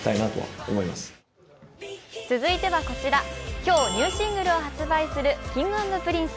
今日、ニューシングルを発売するＫｉｎｇ＆Ｐｒｉｎｃｅ。